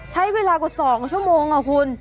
ใช้เวลากว่า๒ชั่วโมงค่ะคุณ